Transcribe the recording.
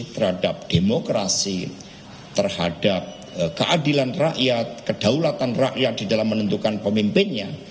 terhadap demokrasi terhadap keadilan rakyat kedaulatan rakyat di dalam menentukan pemimpinnya